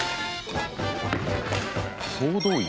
総動員。